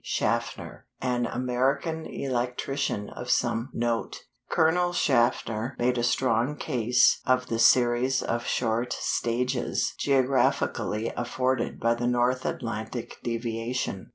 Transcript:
Shaffner, an American electrician of some note. Colonel Shaffner made a strong case of the series of short stages geographically afforded by the North Atlantic deviation.